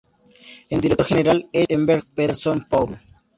El director general es Engberg-Pedersen Poul.